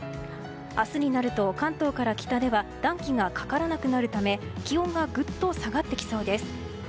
明日になると関東から北では暖気がかからなくなるため気温がぐっと下がってきそうです。